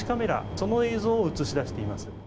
その映像を映し出しています。